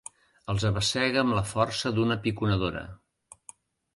Els abassega amb la força d'una piconadora.